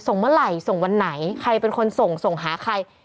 เมื่อไหร่ส่งวันไหนใครเป็นคนส่งส่งหาใคร